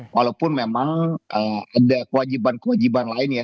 walaupun memang ada kewajiban kewajiban lain ya